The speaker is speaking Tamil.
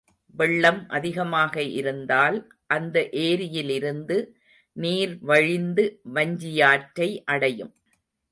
வெள்ளம் அதிகமாக இருந்தால் அந்த ஏரியிலிருந்து நீர் வழிந்து வஞ்சியாற்றை அடையும்.